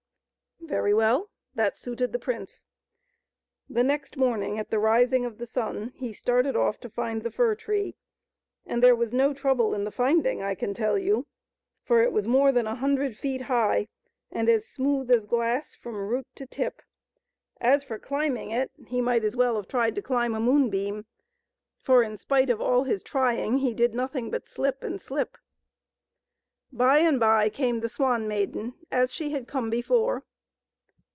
Very well ; that suited the prince. The next morning at the rising of the sun he started off to find the fir tree, and there was no trouble in the finding I can tell you, for it was more than a hundred feet high, and as imooth as glass from root to tip. As for climbing it, he might as well have 238 THE SWAN MAIDEN. tried to climb a moonbeam, for in spite of all his trying he did nothing but slip and slip. By and by came the Swan Maiden as she had come before.